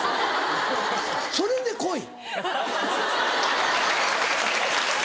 それで来い。